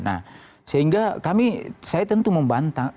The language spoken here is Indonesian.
nah sehingga kami saya tentu membantah